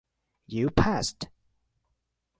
You passed.